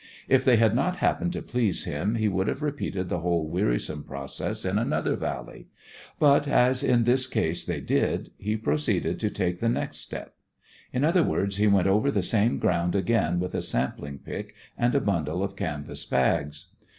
If they had not happened to please him, he would have repeated the whole wearisome process in another valley; but as in this case they did, he proceeded to take the next step. In other words, he went over the same ground again with a sampling pick and a bundle of canvas bags.